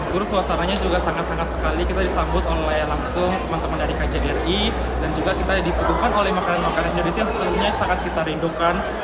terus suasananya juga sangat sangat sekali kita disambut oleh langsung teman teman dari kjri dan juga kita disuguhkan oleh makanan makanan indonesia yang sesungguhnya sangat kita rindukan